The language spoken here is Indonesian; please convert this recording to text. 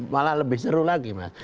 malah lebih seru lagi mas